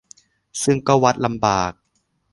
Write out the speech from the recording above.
ซึ่งก็วัดลำบาก